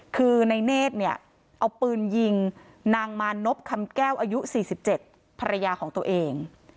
คือในเนธเนี่ยเอาปืนยิงนางมานพคำแก้วอายุ๔๗ภรรยาของตัวเอง